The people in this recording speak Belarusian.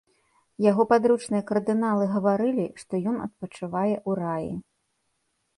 Яго падручныя кардыналы гаварылі, што ён адпачывае ў раі.